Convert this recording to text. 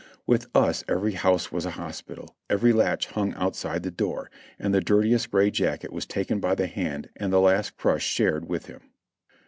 With us every house was a hospital ; every latch hung outside the door, and the dirt iest gray jacket was taken by the hand and the last crust shared with him.